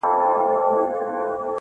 ګل د ګلاب بوی د سنځلي-